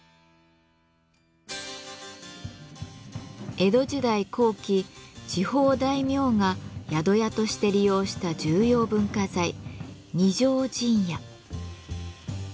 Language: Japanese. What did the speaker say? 江戸時代後期地方大名が宿屋として利用した重要文化財二條陣屋。